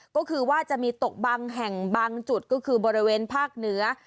ก็คือว่าจะมีตกบางแห่งบางจุดก็คือบริเวณภาคเหนือ